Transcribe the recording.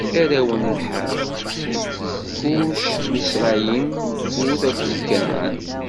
Arraw n Ḥam: Kuc, Miṣrayim, Fut akked Kanɛan.